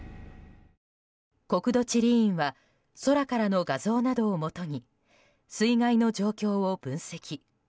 国土地理院は空からの画像などをもとに水害の状況を分析。